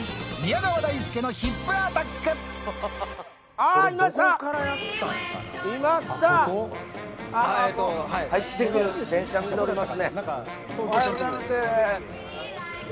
おはようございます。